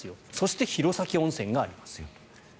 そして弘前温泉がありますよと。